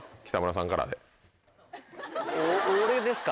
北村さんからで。